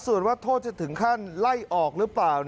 ส่วนว่าโทษจะถึงขั้นไล่ออกหรือเปล่า